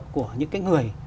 của những cái người